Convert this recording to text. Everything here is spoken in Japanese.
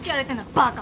バカ！